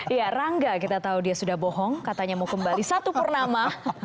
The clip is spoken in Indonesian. iya rangga kita tahu dia sudah bohong katanya mau kembali satu purnama